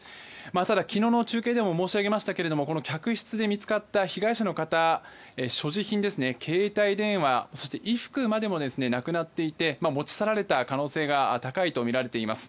ただ、昨日の中継でも申し上げましたがこの客室で見つかった被害者の方の所持品、携帯電話そして衣服までもなくなっていて持ち去られた可能性が高いとみられています。